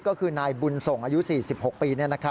ก็คือนายบุญส่งอายุ๔๖ปี